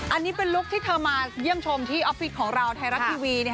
อันนี้เป็นลุคที่เธอมาเยี่ยมชมที่ออฟฟิศของเราไทยรัฐทีวี